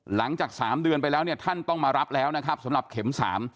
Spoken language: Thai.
หลังจาก๓เดือนไปแล้วเนี่ยท่านต้องมารับแล้วนะครับสำหรับเข็ม๓